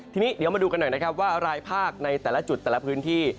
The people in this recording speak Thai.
ทีนี้เดี๋ยวมาดูกันหน่อยนะครับว่ารายภาคในแต่ละจุดแต่ละพื้นที่